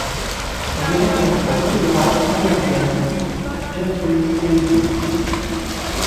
Elle y rencontre la photographe américaine Gertrude Käsebier.